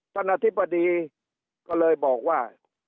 ท่านอธิบดีก็เลยบอกว่า